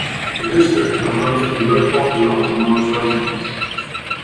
The district has relatively low poverty levels among its residents.